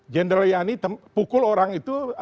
jenderal yani pukul orang itu